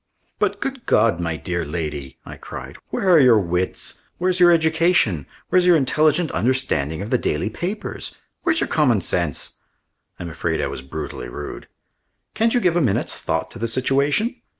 "But, good God, my dear lady!" I cried. "Where are your wits? Where's your education? Where's your intelligent understanding of the daily papers? Where's your commonsense?" I'm afraid I was brutally rude. "Can't you give a minute's thought to the situation?